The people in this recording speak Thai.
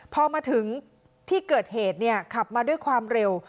พอมาถึงที่เกิดเหตุขับมาด้วยความเร็ว